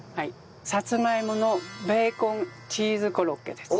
さつまいものベーコンチーズコロッケです。